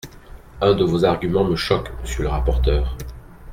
Un de vos arguments me choque, monsieur le rapporteur.